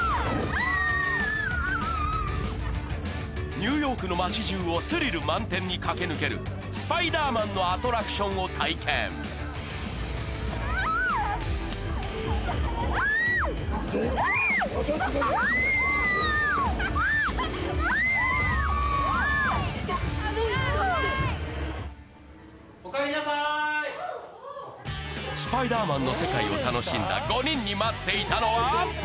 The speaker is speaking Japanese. ニューヨークの街じゅうをスリル満点に駆け抜ける『スパイダーマン』のアトラクションを体験『スパイダーマン』の世界を楽しんだ５人に待っていたのは？